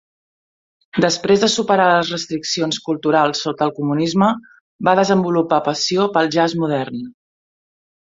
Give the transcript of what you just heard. Després de superar les restriccions culturals sota el comunisme, va desenvolupar passió pel jazz modern.